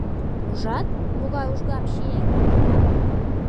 Ужат, могай ужгам чиен!